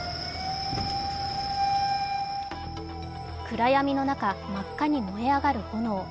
暗闇の中、真っ赤に燃え上がる炎。